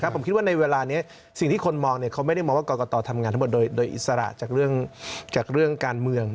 ผมคิดว่าในเวลานี้สิ่งที่คนมองเขาไม่ได้มองว่ากรกตทำงานทั้งหมดโดยอิสระจากเรื่องการเมือง